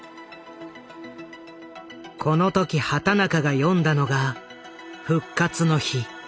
この時畑中が読んだのが「復活の日」。